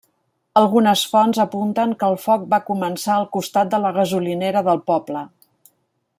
Algunes fonts apunten que el foc va començar al costat de la gasolinera del poble.